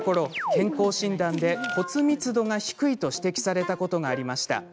健康診断で骨密度が低いと指摘されたことがありました。